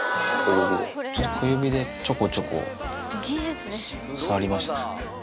ちょっと小指でちょこちょこ触りました。